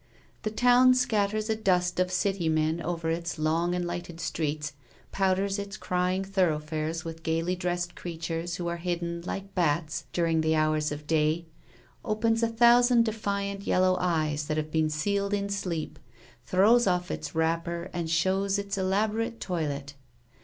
The town scatters a dust of city men over its long and lighted streets, powders its crying thoroughfares with gaily dressed creatures who are hidden, like bats, during the hours of day, opens a thousand defiant yellow eyes that have been sealed in sleep, throws off its wrapper and shows its elaborate toilet.